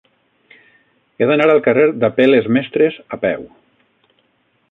He d'anar al carrer d'Apel·les Mestres a peu.